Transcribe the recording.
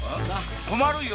困るよ！